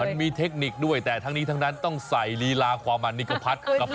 เทคนิคด้วยแต่ทั้งนี้ทั้งนั้นต้องใส่ลีลาความมันนี่ก็พัด